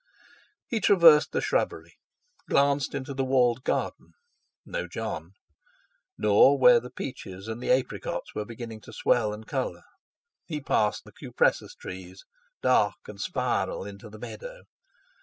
He traversed the shrubbery, glanced into the walled garden—no Jon! Nor where the peaches and the apricots were beginning to swell and colour. He passed the Cupressus trees, dark and spiral, into the meadow.